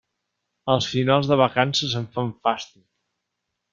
Els finals de vacances em fan fàstic.